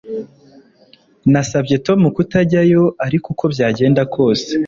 Nasabye Tom kutajyayo ariko uko byagenda kose